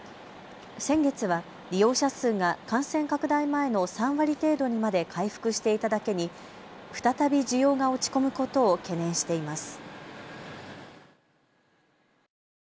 先月は利用者数が感染拡大前の３割程度にまで回復していただけに再び需要が落ち込むことを懸念しています。